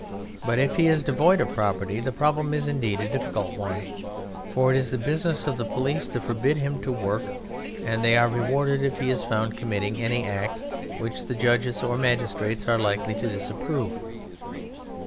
But if he is devoid of property, the problem is indeed a difficult one, for it is the business of the police to forbid him to work, and they are rewarded if he is found committing any act which the judges or the magistrates are likely to disapprove.